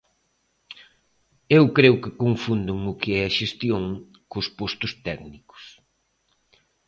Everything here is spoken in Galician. Eu creo que confunden o que é a xestión cos postos técnicos.